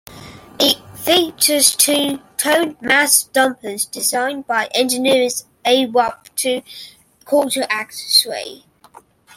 It features two tuned mass dampers, designed by engineers Arup, to counteract sway.